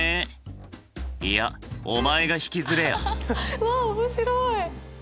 うわ面白い！